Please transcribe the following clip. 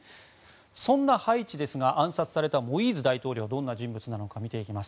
そんなハイチですが暗殺されたモイーズ大統領はどんな人物なのか見ていきます。